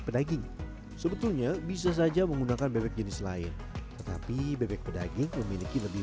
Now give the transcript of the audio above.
pedaging sebetulnya bisa saja menggunakan bebek jenis lain tetapi bebek pedaging memiliki lebih